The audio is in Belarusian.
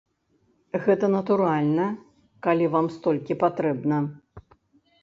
Гэта, натуральна, калі вам столькі патрэбна.